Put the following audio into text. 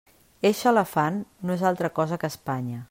Eixe elefant no és altra cosa que Espanya.